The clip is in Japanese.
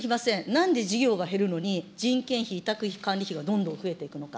なんで事業が減るのに、人件費、委託費、管理費はどんどん増えていくのか。